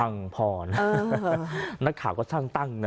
พังพรนักข่าก็ช่างตั้งนะ